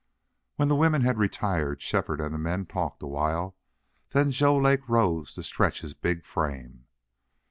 When the women had retired Shefford and the men talked a while. Then Joe Lake rose to stretch his big frame.